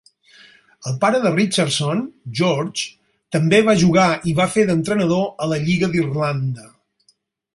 El pare de Richardson, George, també va jugar i va fer d'entrenador a la Lliga d'Irlanda.